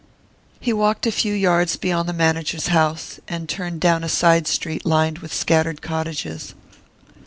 He walked a few yards beyond the manager's house, and turned down a side street lined with scattered cottages.